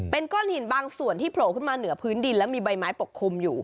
เป็นก้อนหินบางส่วนที่โผล่ขึ้นมาเหนือพื้นดินแล้วมีใบไม้ปกคลุมอยู่